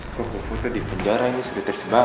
foto foto di penjara ini sudah tersebar